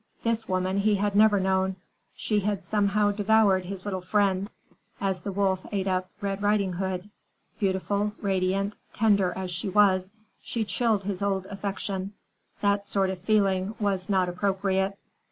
This woman he had never known; she had somehow devoured his little friend, as the wolf ate up Red Ridinghood. Beautiful, radiant, tender as she was, she chilled his old affection; that sort of feeling was not appropriate.